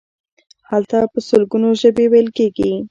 هلته په سلګونو ژبې ویل کیږي.